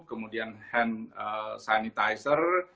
kemudian hand sanitizer